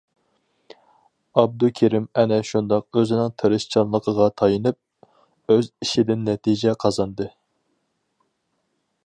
ئابدۇكېرىم ئەنە شۇنداق ئۆزىنىڭ تىرىشچانلىقىغا تايىنىپ، ئۆز ئىشىدىن نەتىجە قازاندى.